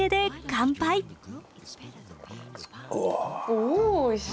おおいしい。